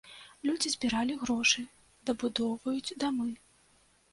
Людзі збіралі грошы, дабудоўваюць дамы.